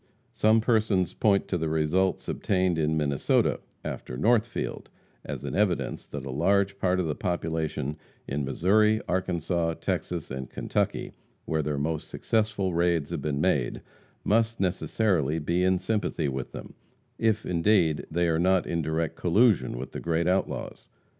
Some persons point to the results obtained in Minnesota, after Northfield, as an evidence that a large part of the population in Missouri, Arkansas, Texas and Kentucky, where their most successful raids have been made, must necessarily be in sympathy with them, if, indeed, they are not in direct collusion with the great outlaws.